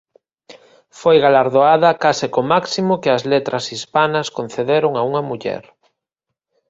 Foi galardoada case co máximo que as letras hispanas concederon a unha muller.